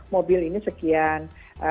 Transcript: mobil ini sekian